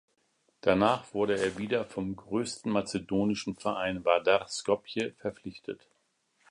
Danach wurde er wieder vom größten mazedonischen Verein Vardar Skopje verpflichtet.